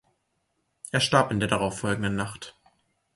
Er starb in der darauffolgenden Nacht.